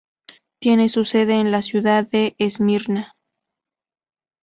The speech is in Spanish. Tiene su sede en la ciudad de Esmirna.